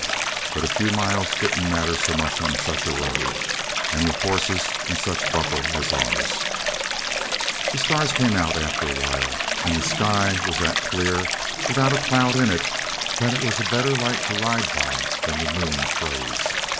But a few miles didn't matter much on such a road, and with horses in such buckle as ours. The stars came out after a while, and the sky was that clear, without a cloud in it, that it was a better light to ride by than the moon throws.